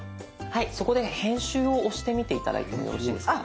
はいそこで編集を押してみて頂いてもよろしいですか？